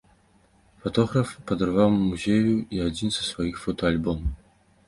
Фатограф падараваў музею і адзін са сваіх фотаальбомаў.